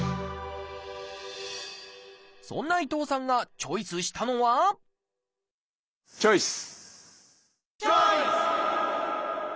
そんな伊藤さんがチョイスしたのはチョイス！